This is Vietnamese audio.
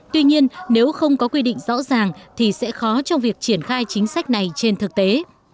tuy nhiên nếu không có quy định rõ ràng thì sẽ khó trong việc triển khai chính sách này trên thực tế